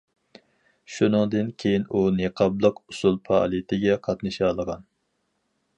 شۇنىڭدىن كېيىن ئۇ نىقابلىق ئۇسسۇل پائالىيىتىگە قاتنىشالىغان.